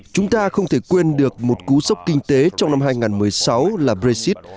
chúng ta không thể quên được một cú sốc kinh tế trong năm hai nghìn một mươi sáu là brexit